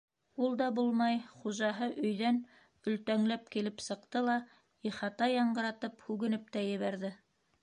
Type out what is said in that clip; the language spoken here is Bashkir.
Ул да булмай, хужаһы өйҙән елтәңләп килеп сыҡты ла, ихата яңғыратып һүгенеп тә ебәрҙе.